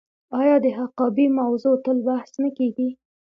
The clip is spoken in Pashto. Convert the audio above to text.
آیا د حقابې موضوع تل بحث نه کیږي؟